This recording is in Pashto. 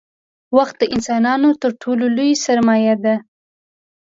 • وخت د انسانانو تر ټولو لوی سرمایه دی.